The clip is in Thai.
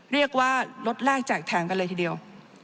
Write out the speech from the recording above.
เรียกว่าลดแรกแจกแถมกันเลยทีเดียว